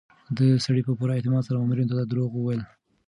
دې سړي په پوره اعتماد سره مامورینو ته دروغ وویل.